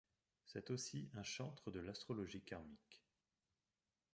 C'est aussi un chantre de l'astrologie karmique.